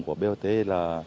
của bot là